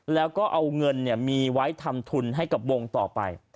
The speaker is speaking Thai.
แล้วก็เอาเงินมีไว้ทำทุนให้กับวงต่อไป